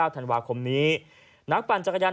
ธันวาคมนี้นักปั่นจักรยาน